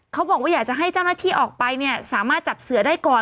เขาบอกว่าอยากจะให้เจ้าหน้าที่ออกไปเนี่ยสามารถจับเสือได้ก่อน